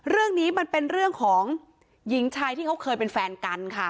เรื่องนี้มันเป็นเรื่องของหญิงชายที่เขาเคยเป็นแฟนกันค่ะ